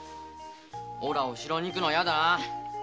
おらお城に行くのは嫌だ。